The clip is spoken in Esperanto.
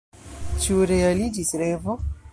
Ĉu realiĝis revo?